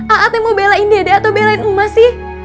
a a t mau belain dede atau belain emak sih